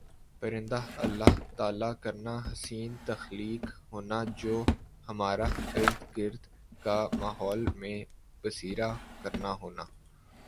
پرندہ اللہ تعالی کرنا حسین تخلیق ہونا جو ہمارہ ارد گرد کا ماحول میں بسیرا کرنا ہونا